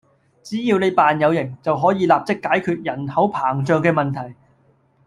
只要你扮有型，就可以立刻解決人口膨脹嘅問題